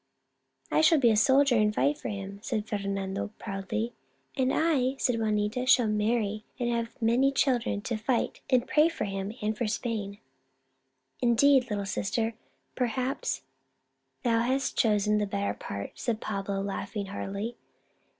" I shall be a soldier and fight for him," said Fernando, proudly. " And I," said Juanita, " shall marry and have many children to fight and pray for him and for Spain !" Viva el Rey! 125 " Indeed, little sister, perhaps thou hast chosen the better part," said Pablo, laugh ing heartily.